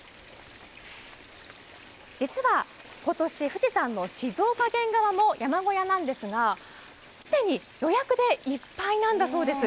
実は今年、富士山の静岡県側の山小屋なんですが、既に予約でいっぱいなんだそうです。